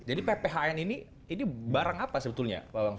jadi pphn ini ini barang apa sebetulnya